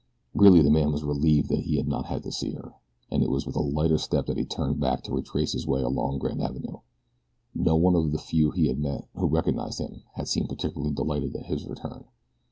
Really the man was relieved that he had not had to see her, and it was with a lighter step that he turned back to retrace his way along Grand Avenue. No one of the few he had met who recognized him had seemed particularly delighted at his return.